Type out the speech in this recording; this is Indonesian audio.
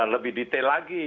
lebih detail lagi